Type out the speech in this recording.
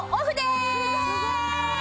すごーい！